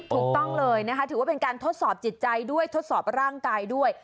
ถูกต้องเลยนะคะถือว่าเป็นการทดสอบจิตใจด้วยทดสอบร่างกายด้วย